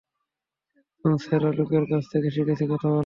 একদম, সেরা লোকের কাছ থেকে শিখেছি বলে কথা।